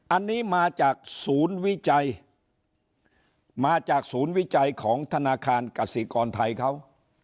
อันนี้มาจากศูนย์วิจัยมาจากศูนย์วิจัยของธนาคารกษิกรไทยเขา